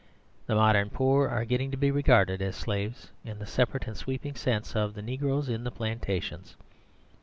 The modern poor are getting to be regarded as slaves in the separate and sweeping sense of the negroes in the plantations.